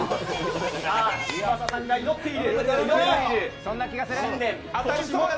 嶋佐さんが祈っている。